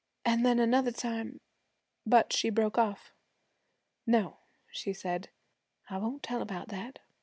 An' then another time ' But she broke off. 'No,' she said, 'I won't tell about that.